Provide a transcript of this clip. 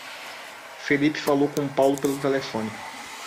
Felipe falou com Paulo pelo telefone.